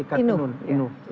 ikat tenun inu